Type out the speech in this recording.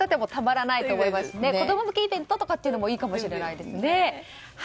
子供向けイベントとかもいいかもしれませんね。